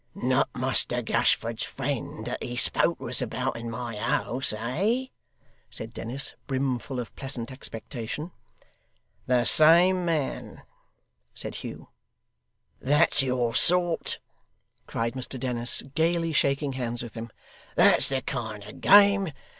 'Not Muster Gashford's friend that he spoke to us about in my house, eh?' said Dennis, brimfull of pleasant expectation. 'The same man,' said Hugh. 'That's your sort,' cried Mr Dennis, gaily shaking hands with him, 'that's the kind of game.